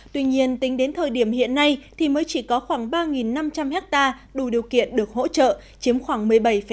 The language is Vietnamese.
tuy nhiên tính đến thời điểm hiện nay thì mới chỉ có khoảng ba năm trăm linh hectare đủ điều kiện được hỗ trợ chiếm khoảng một mươi bảy năm